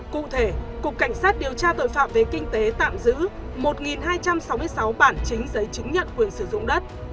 cụ thể cục cảnh sát điều tra tội phạm về kinh tế tạm giữ một hai trăm sáu mươi sáu bản chính giấy chứng nhận quyền sử dụng đất